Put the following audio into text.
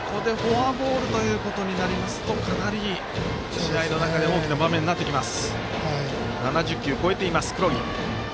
フォアボールとなりますとかなり試合の流れが変わる大きな場面になってきます。